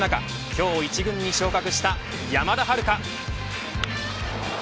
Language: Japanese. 今日１軍に昇格した山田遥楓。